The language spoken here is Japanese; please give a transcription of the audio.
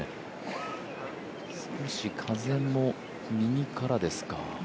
少し風も右からですか。